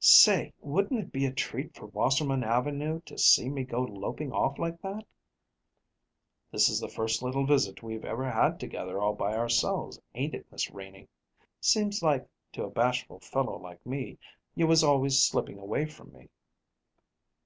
"Say, wouldn't it be a treat for Wasserman Avenue to see me go loping off like that!" "This is the first little visit we've ever had together all by ourselves, ain't it, Miss Renie? Seems like, to a bashful fellow like me, you was always slipping away from me."